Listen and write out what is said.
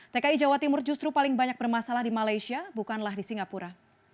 tki jawa timur justru paling banyak bermasalah di malaysia bukanlah di singapura